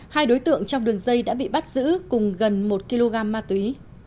hai đối tượng trong đường dây đã bị bắt giữ cùng gần một kg ma túy